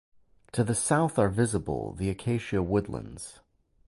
To the south are visible the acacia woodlands.